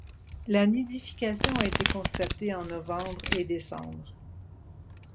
La nidification a été constatée en novembre et décembre.